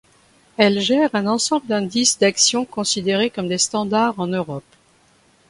Elle gère un ensemble d'indices d'actions considérés comme des standards en Europe.